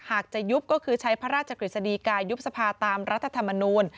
หากจะยุบก็คือใช้พระราชกฤษฎีกายุบสภาตามรัฐธรรมนูล